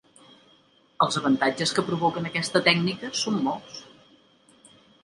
Els avantatges que provoquen aquesta tècnica són molts.